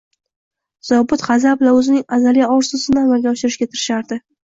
Zobit g`azab-la o`zining azaliy orzusini amalga oshirishga tirishardi